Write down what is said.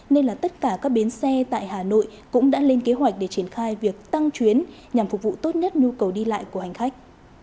nên là tất cả các bến xe tại hà nội cũng đã lên kế hoạch để triển khai việc tăng chuyến nhằm phục vụ tốt nhất nhu cầu đi lại của hành khách